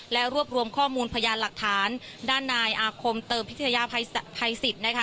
และรวบรวมข้อมูลพยานหลักฐานด้านนายอาคมเติมพิทยาภัยสิทธิ์นะคะ